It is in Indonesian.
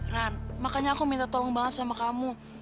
nah makanya aku minta tolong banget sama kamu